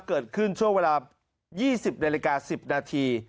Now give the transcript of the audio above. เกิดขึ้นช่วงเวลา๒๐นาฬิกา๑๐นาที